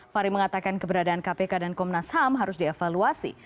fahri mengatakan keberadaan kpk dan komnas ham harus dievaluasi